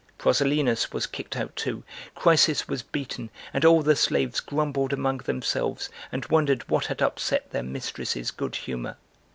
Proselenos was kicked out too, Chrysis was beaten, and all the slaves grumbled among themselves and wondered what had upset their mistress's good humor.